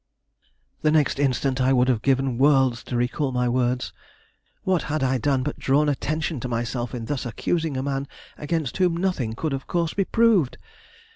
The next instant I would have given worlds to recall my words. What had I done but drawn attention to myself in thus accusing a man against whom nothing could of course be proved!